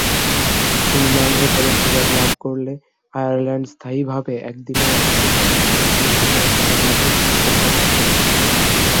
পূর্ণাঙ্গ সদস্য পদ লাভ করলে আয়ারল্যান্ড স্থায়ীভাবে একদিনের আন্তর্জাতিক ও টেস্ট মর্যাদা লাভে সক্ষম হবে।